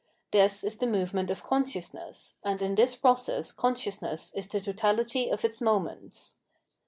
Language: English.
This is the movement of consciousness, and in this process consciousness is the totality of its moments.